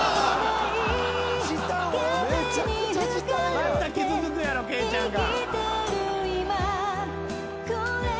また傷つくやろ圭ちゃんが。